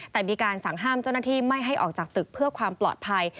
แต่มีการสั่งห้ามเจ้าหน้าที่ไม่ให้ออกจากตึกเพื่อความปลอดภัย